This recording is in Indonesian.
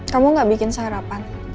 kamu gak bikin sarapan